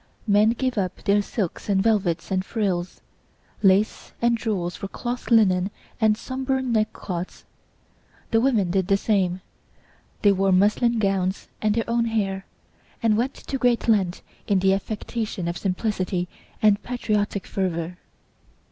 Men gave up their silks and velvets and frills, lace and jewels for cloth, linen, and sombre neck cloths. The women did the same; they wore muslin gowns and their own hair, and went to great length in the affectation of simplicity and patriotic fervour.